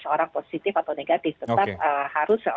orang positif atau negatif tetap harus